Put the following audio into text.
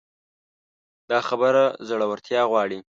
دا خبره زړورتيا غواړي.